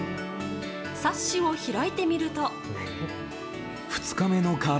冊子を開いてみると。